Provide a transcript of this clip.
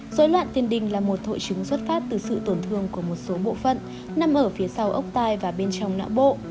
dối loạn tiền đình là một hội chứng xuất phát từ sự tổn thương của một số bộ phận nằm ở phía sau ốc tai và bên trong não bộ